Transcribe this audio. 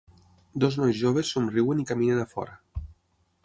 Dos nois joves somriuen i caminen a fora.